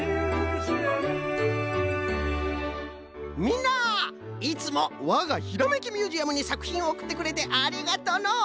みんないつもわがひらめきミュージアムにさくひんをおくってくれてありがとの。